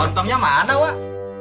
tontonnya mana wak